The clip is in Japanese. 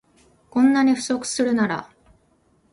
こんなに不足するなら